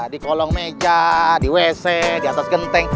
di kolong meja di wc di atas genteng